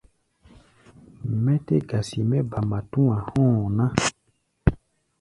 Mɛ́ tɛ́ gasi mɛ́ ba matúa hɔ̧́ɔ̧ ná.